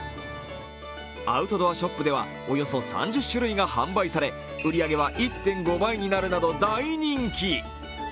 アウトドアショップではおよそ３０種類が販売され売り上げは１．５倍になるなど大人気。